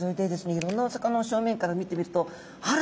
いろんなお魚をしょうめんから見てみるとあら！